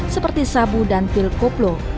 seperti sabu dan pil koplo